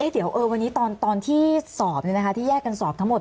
เดี๋ยววันนี้ตอนที่สอบที่แยกกันสอบทั้งหมด